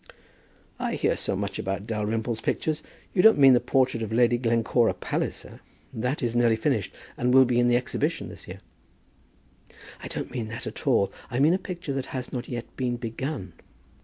"I hear so much about Dalrymple's pictures! You don't mean the portrait of Lady Glencora Palliser? That is nearly finished, and will be in the Exhibition this year." "I don't mean that at all. I mean a picture that has not yet been begun."